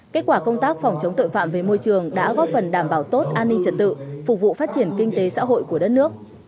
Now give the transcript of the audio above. kết quả công tác phòng chống tội phạm về môi trường đã góp phần đảm bảo tốt an ninh trật tự phục vụ phát triển kinh tế xã hội của đất nước